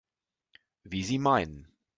Wie Sie meinen.